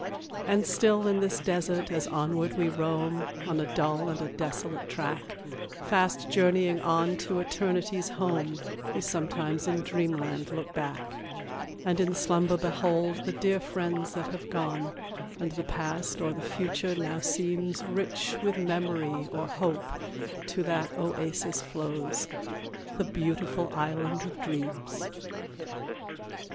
And still in this desert as onward we roam, On a dull and a desolate track, Fast journeying on to Eternity's home, We sometimes in Dreamland look back; And in slumber behold the dear friends that have gone; And the past or the future now seems Rich with memory or hope to that oasis flown The Beautiful Island of Dreams.